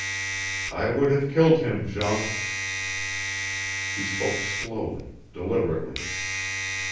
"I would have killed him, Jean." He spoke slowly, deliberately.